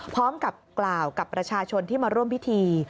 พร้อมกับกล่าวกับประชาชนที่มาร่วมพิธี